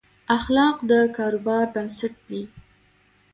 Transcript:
اخلاق د کاروبار بنسټ دي.